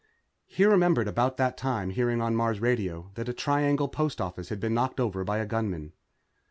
He remembered about that time hearing on the Mars Radio that a Triangle Post Office had been knocked over by a gunman.